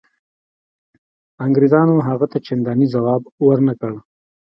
انګرېزانو هغه ته چنداني ځواب ورنه کړ.